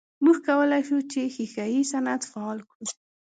موږ کولای سو چې ښیښه یي صنعت فعال کړو.